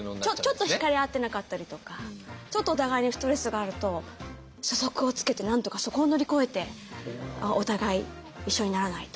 ちょっとひかれ合ってなかったりとかちょっとお互いにストレスがあると初速をつけてなんとかそこを乗り越えてお互い一緒にならないと。